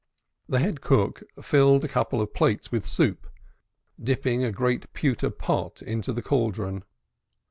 The head cook filled a couple of plates with soup, dipping a great pewter pot into the cauldron.